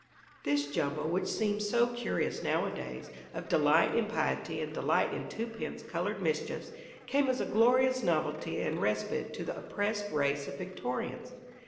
This jumble which seems so curious nowadays of delight in piety and delight in twopence coloured mischiefs came as a glorious novelty and respite to the oppressed race of Victorians.